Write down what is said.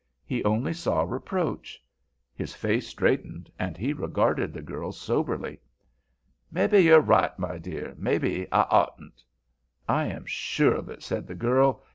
He only saw reproach. His face straightened, and he regarded the girl soberly. "Mebbe you're right, my dear; mebbe I oughtn't." "I am sure of it," said the girl.